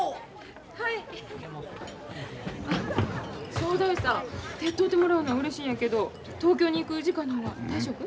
正太夫さん手伝うてもらうのはうれしいんやけど東京に行く時間の方は大丈夫？